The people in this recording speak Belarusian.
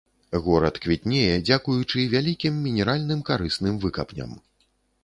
Горад квітнее дзякуючы вялікім мінеральным карысным выкапням.